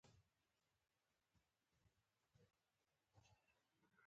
غریب د ژوند بېړۍ چلوونکی دی